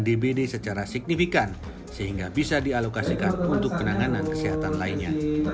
dbd secara signifikan sehingga bisa dialokasikan untuk penanganan kesehatan lainnya